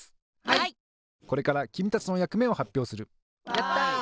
やった！